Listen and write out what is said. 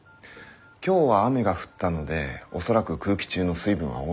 今日は雨が降ったので恐らく空気中の水分は多い。